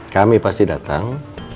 kami pasti datang